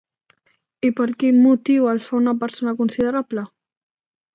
I per quin motiu el fa una persona considerable?